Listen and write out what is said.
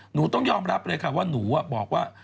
หนูต้องยอมรับเลยค่ะว่าหนูบอกว่า